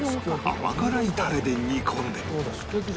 甘辛いタレで煮込んで